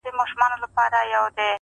• لوی افسر ته یې په سرو سترګو ژړله -